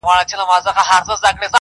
ساقي وه را بللي رقیبان څه به کوو؟!.